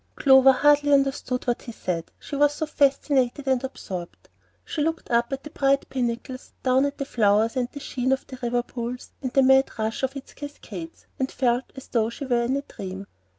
Clover hardly understood what he said she was so fascinated and absorbed. She looked up at the bright pinnacles, down at the flowers and the sheen of the river pools and the mad rush of its cascades, and felt as though she were in a dream.